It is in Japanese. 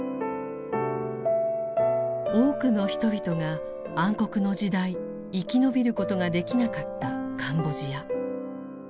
多くの人々が暗黒の時代生き延びることができなかったカンボジア。